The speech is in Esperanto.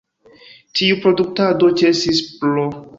Tiu produktado ĉesis pr.